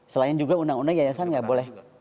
selain juga undang undang yayasan nggak boleh